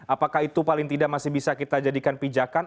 apakah itu paling tidak masih bisa kita jadikan pijakan